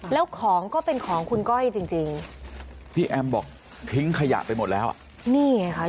แล้วของก็เป็นของคุณก้อยจริงจริงพี่แอมบอกทิ้งขยะไปหมดแล้วอ่ะนี่ไงค่ะ